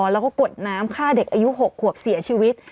แล้วก็กดน้ำฆ่าเด็กอายุ๖ขวบเสียชีวิต